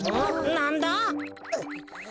なんだ？